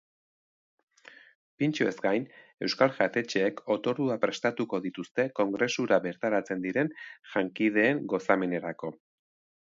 Pintxoez gain, euskal jatetxeek otorduak prestatuko dituzte kongresura bertaratzen diren jankideen gozamenerako.